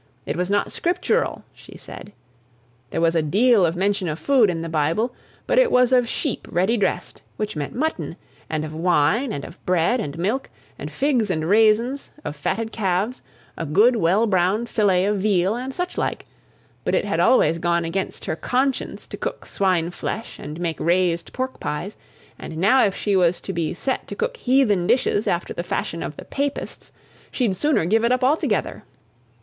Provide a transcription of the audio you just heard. It was not scriptural, she said. There was a deal of mention of food in the Bible; but it was of sheep ready dressed, which meant mutton, and of wine, and of bread and milk, and figs and raisins, of fatted calves, a good well browned fillet of veal, and such like; but it had always gone against her conscience to cook swine flesh and make raised pork pies, and now if she was to be set to cook heathen dishes after the fashion of the Papists, she'd sooner give it all up together.